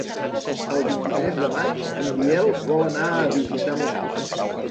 El vint-i-tres de maig en Biel vol anar a visitar mon oncle.